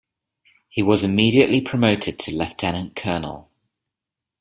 He was immediately promoted to lieutenant colonel.